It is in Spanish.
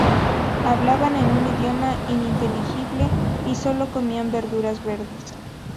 Hablaban en un idioma ininteligible y solo comían verduras verdes.